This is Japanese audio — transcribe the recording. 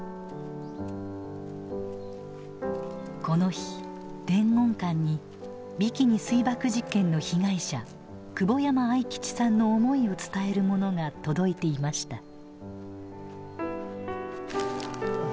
この日伝言館にビキニ水爆実験の被害者久保山愛吉さんの思いを伝えるものが届いていました。